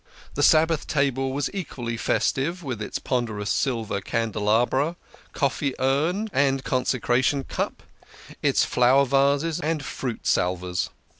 The Sabbath table was equally festive with its ponderous silver candelabra, coffee urn, and consecration cup, its flower vases, and fruit salvers.